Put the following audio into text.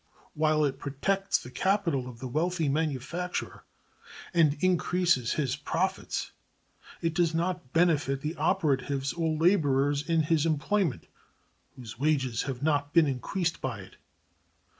While it protects the capital of the wealthy manufacturer and increases his profits, it does not benefit the operatives or laborers in his employment, whose wages have not been increased by it.